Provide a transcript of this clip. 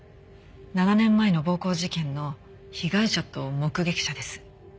７年前の暴行事件の被害者と目撃者です。